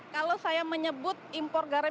kalau saya menyebut impor garam